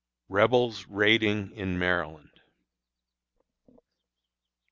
Rebels Raiding in Maryland.